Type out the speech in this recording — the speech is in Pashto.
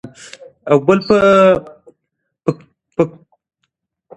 کافي اوبه د کرنې لپاره اړینې دي.